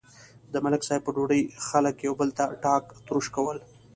د ملک صاحب په ډوډۍ خلک یو بل ته ټاک تروش کول.